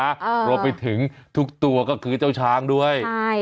รวมไปถึงทุกตัวก็คือเจ้าช้างด้วยใช่